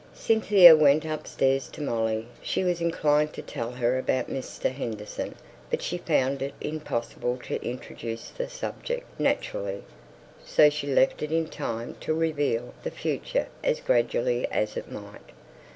Cynthia went upstairs to Molly; she was inclined to tell her about Mr. Henderson, but she found it impossible to introduce the subject naturally, so she left it to time to reveal the future as gradually as it might.